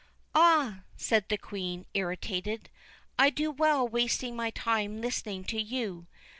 'Ah!' said the Queen, irritated, 'I do well wasting my time listening to you.